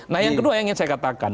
nah yang kedua yang ingin saya katakan